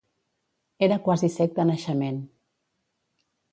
Era quasi cec de naixement.